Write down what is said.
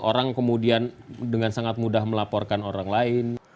orang kemudian dengan sangat mudah melaporkan orang lain